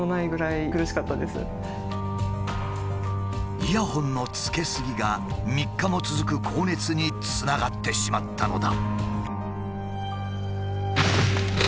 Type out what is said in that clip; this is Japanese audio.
イヤホンのつけ過ぎが３日も続く高熱につながってしまったのだ。